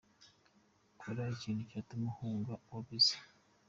Kora ikintu cyatuma uhuga "uba busy".